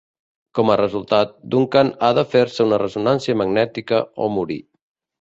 Com a resultat, Duncan ha de fer-se una ressonància magnètica o morir.